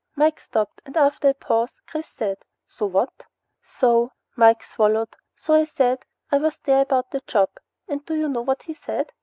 Mike stopped, and after a pause Chris said, "So what?" "So " Mike swallowed. "So I said I was there about the job, an' do you know what he said?